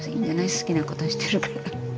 好きなことしてるから。